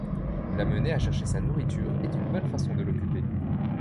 L'amener à chercher sa nourriture est une bonne façon de l'occuper.